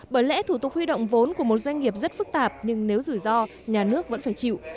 bởi lẽ thủ tục huy động vốn của một doanh nghiệp rất phức tạp nhưng nếu rủi ro nhà nước vẫn phải chịu